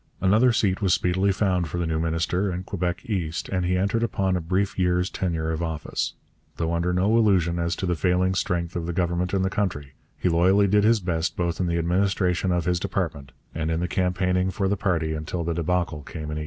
Another seat was speedily found for the new minister, in Quebec East, and he entered upon a brief year's tenure of office. Though under no illusion as to the failing strength of the Government in the country, he loyally did his best both in the administration of his department and in the campaigning for the party until the débâcle came in 1878.